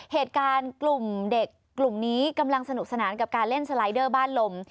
เหตุการณ์กลุ่มนี้กำลังสนุกสนานกับการเล่นสไลด์เดอร์บ้านหลม